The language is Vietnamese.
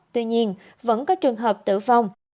tuy nhiên vẫn có trường hợp tử vong